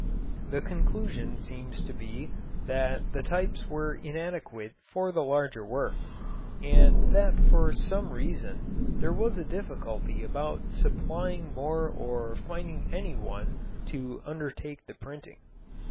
The conclusion seems to be that the types were inadequate for the larger work, and that for some reason there was a difficulty about supplying more or finding anyone to undertake the printing.